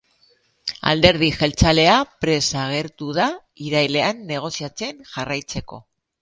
Alderdi jeltzalea prest agertu da irailean negoziatzen jarraitzeko.